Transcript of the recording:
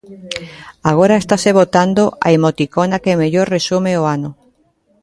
Agora estase votando a emoticona que mellor resume o ano.